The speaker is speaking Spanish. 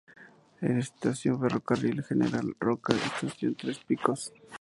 Es estación del Ferrocarril General Roca: Estación Tres Picos.